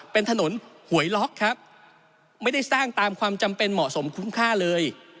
เป็นถนนหวยล็อกครับไม่ได้สร้างตามความจำเป็นเหมาะสมคุ้มค่าเลย